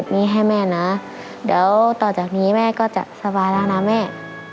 มีแม่เท่อย่างงี้